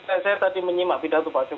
saya tadi menyimak pidato pak jokowi